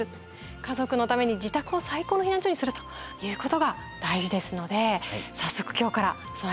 家族のために自宅を最高の避難所にするということが大事ですので早速今日から備えて頂きたいと思います。